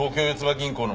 銀行の。